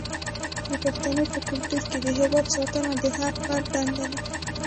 د پښتنو په کلتور کې د هیواد ساتنه د هر فرد دنده ده.